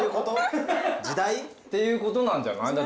時代？っていうことなんじゃない？